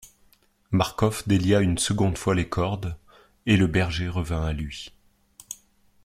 Marcof délia une seconde fois les cordes, et le berger revint à lui.